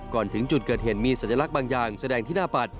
ถึงจุดเกิดเหตุมีสัญลักษณ์บางอย่างแสดงที่หน้าปัด